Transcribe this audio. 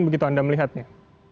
begitu anda melihatnya